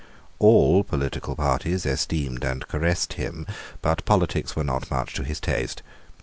All political parties esteemed and caressed him; but politics were not much to his taste.